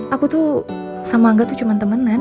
aku tuh sama angga tuh cuma temenan